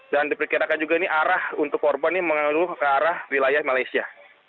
dan diperkirakan juga ini arah untuk korban ini mengalir ke arah wilayah malaysia